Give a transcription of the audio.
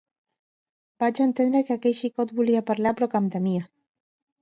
Vaig entendre que aquell xicot volia parlar però que em temia.